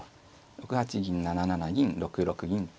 ６八銀７七銀６六銀と。